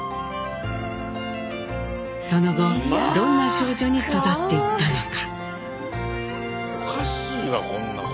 その後どんな少女に育っていったのか。